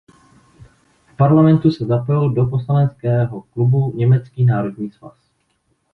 V parlamentu se zapojil do poslaneckého klubu Německý národní svaz.